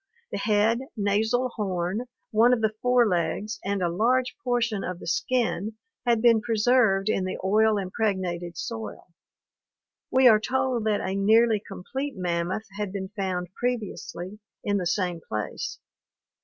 The head, nasal horn, one of the fore legs, and a large portion of the skin had been preserved in the oil impregnated soil. We are told that a nearly complete mammoth had been found previously in the same place.